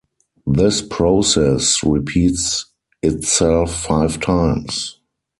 This process repeats itself five times.